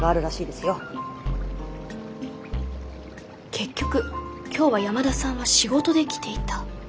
結局今日は山田さんは仕事で来ていた。